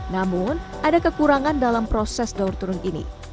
namun ada kekurangan dalam proses daur turun ini